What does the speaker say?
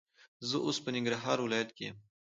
زه اوس په ننګرهار ولایت کې یم.